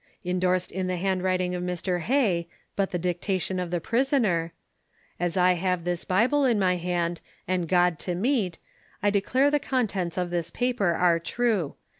Endorsed in the handwriting of Mr Hay, but the diction of the prisoner: "As I have this Bible in my hand, and God to meet, I declare the contents of this paper are true.